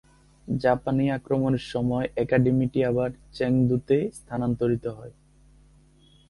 জাপানি আক্রমণের সময় একাডেমিটি আবার চেংদুতে স্থানান্তরিত হয়।